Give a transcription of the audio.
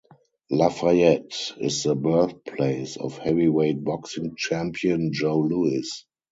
Lafayette is the birthplace of heavyweight boxing champion Joe Louis.